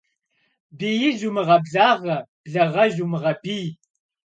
Биижь умыгъэблагъэ, благъэжь умыгъэбий.